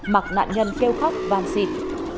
mặc nạn nhân kêu khóc vàng xịt